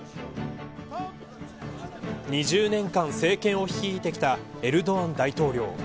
２０年間、政権を率いてきたエルドアン大統領。